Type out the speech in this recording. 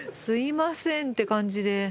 すいませんって感じで。